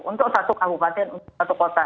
untuk satu kabupaten untuk satu kota